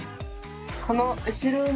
この後ろの。